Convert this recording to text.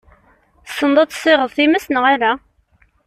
Tessneḍ ad tessiɣeḍ times neɣ ala?